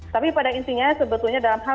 tapi pada intinya sebetulnya dalam hal